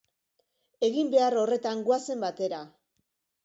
Egin behar horretan goazen batera.